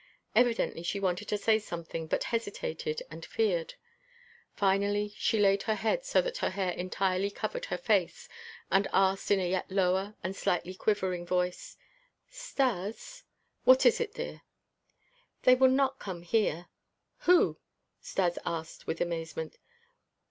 Evidently she wanted to say something but hesitated and feared. Finally she leaned her head so that her hair entirely covered her face and asked in a yet lower and slightly quivering voice: "Stas " "What is it, dear?" "They will not come here?" "Who?" Stas asked with amazement.